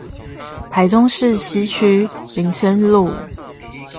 台中市西區林森路